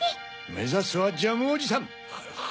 めざすはジャムおじさん！